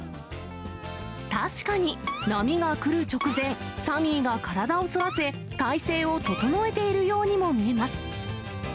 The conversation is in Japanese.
確かに、波が来る直前、サミーが体をそらせ、体勢を整えているようにも見えます。